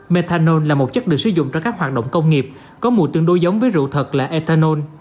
methanol là một chất được sử dụng trong các hoạt động công nghiệp có mùi tương đối giống với rượu thật là ethanol